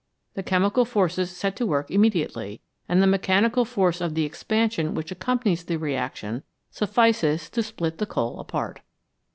The chemical forces set to work immediately, and the mechanical force of the expansion which accompanies the reaction suffices to split the coal apart.